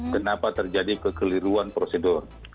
kenapa terjadi kekeliruan prosedur